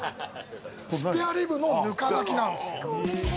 スペアリブのぬか炊きなんです。